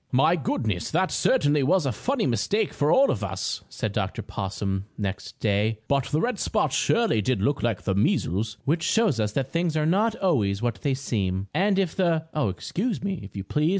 "My goodness! That certainly was a funny mistake for all of us," said Dr. Possum next day. "But the red spots surely did look like the measles." Which shows us that things are not always what they seem. And if the Oh, excuse me, if you please.